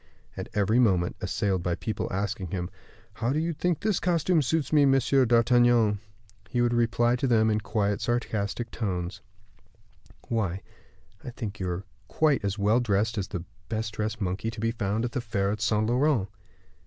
At every moment assailed by people asking him, "How do you think this costume suits me, Monsieur d'Artagnan?" he would reply to them in quiet, sarcastic tones, "Why, I think you are quite as well dressed as the best dressed monkey to be found in the fair at Saint Laurent."